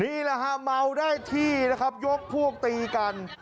นี่แหละฮะเมาได้ที่นะครับยกพวกตีกัน